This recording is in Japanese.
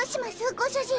ご主人。